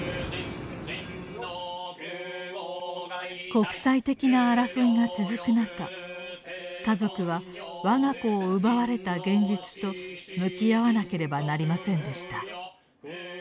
国際的な争いが続くなか家族は我が子を奪われた現実と向き合わなければなりませんでした。